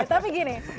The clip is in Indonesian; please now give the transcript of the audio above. oke tapi gini